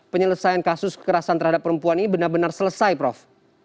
penyelesaian kasus kekerasan terhadap perempuan ini benar benar selesai prof